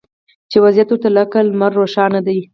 چې وضعیت ورته لکه لمر روښانه دی